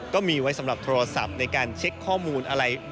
ก็มีไว้สำหรับโทรศัพท์ในการเช็คข้อมูลอะไร